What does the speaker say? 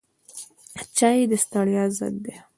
چای د ستړیا ضد دی